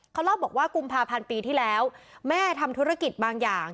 เขาเล่าบอกว่ากุมภาพันธ์ปีที่แล้วแม่ทำธุรกิจบางอย่าง